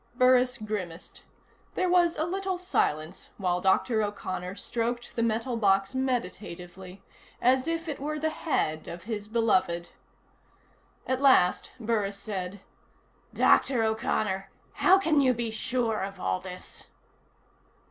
Burris grimaced. There was a little silence while Dr. O'Connor stroked the metal box meditatively, as if it were the head of his beloved. At last, Burris said: "Dr. O'Connor, how sure can you be of all this?"